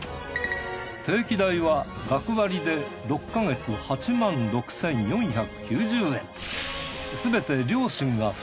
定期代は学割で６か月８万６，４９０円